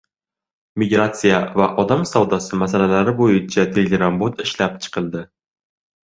Migrasiya va odam savdosi masalalari bo‘yicha telegram bot ishlab chiqildi